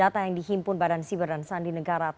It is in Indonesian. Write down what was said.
bagaimana kabar sehat